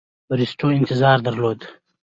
بریسټو انتظار درلود.